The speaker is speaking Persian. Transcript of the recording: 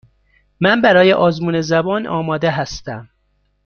من برای آزمون زبان آماده هستم.